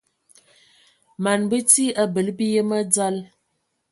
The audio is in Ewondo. Man bəti abələ biyəm a dzal.